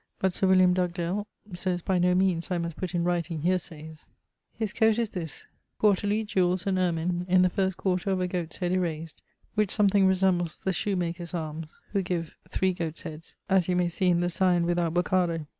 but Sir William Dugdale ... sayes 'by no meanes I must putt in writing hear sayes.' His coate is this, 'quarterly, gules and ermine, in the first quarter a goat's head erased ...': which something resembles the shoemakers' armes, who give 'three goates' heades,' as you may see in the signe without Bocardo.